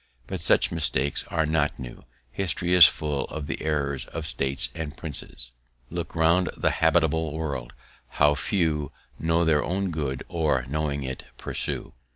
But such mistakes are not new; history is full of the errors of states and princes. "Look round the habitable world, how few Know their own good, or, knowing it, pursue!"